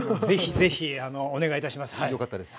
ぜひ、お願いいたします。